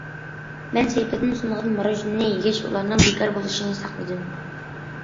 مەن سەيپىدىن سۇنغان ماروژنىنى يېگەچ، ئۇلارنىڭ بىكار بولۇشىنى ساقلىدىم.